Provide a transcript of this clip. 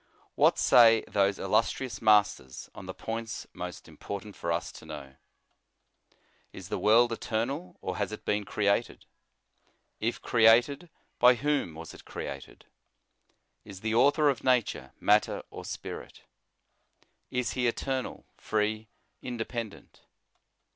What say those illustrious masters on the points most important for us to know? Is the world eternal, or has it been created? If created, by whom was it created? Is the author of nature matter or spirit? Is he eternal, free, independent?